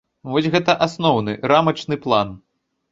Вось гэта асноўны, рамачны план.